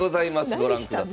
ご覧ください。